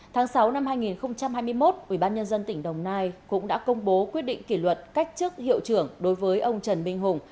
tháng sáu năm hai nghìn hai mươi một ubnd tỉnh đồng nai cũng đã công bố quyết định kỷ luật cách chức hiệu trưởng đối với ông trần minh hùng